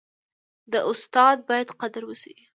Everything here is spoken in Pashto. د استاد باید قدر وسي.